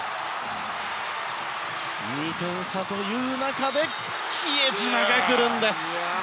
２点差という中で比江島が来るんです！